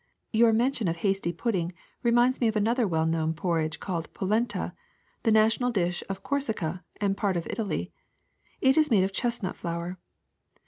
Your mention of hasty pudding reminds me of another well known porridge called polenta^ the na tional dish of Corsica and part of Italy. It is made of chestnut flour.